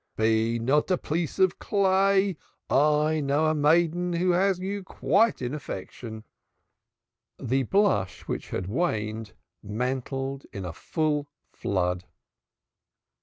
"Be not a piece of clay! I know a maiden who has you quite in affection!" The blush which had waned mantled in a full flood.